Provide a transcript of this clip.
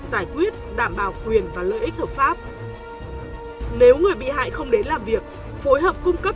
giải quyết đảm bảo quyền và lợi ích hợp pháp nếu người bị hại không đến làm việc phối hợp cung cấp